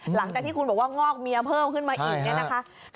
หลังจากที่คุณบอกว่างอกเมียเพิ่มขึ้นมาอีกเนี่ยนะคะ